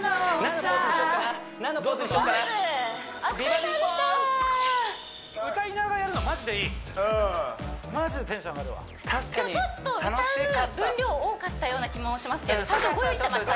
確かに楽しかったような気もしますけどちゃんと動いてました？